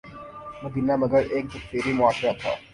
مدینہ مگر ایک تکثیری معاشرہ تھا۔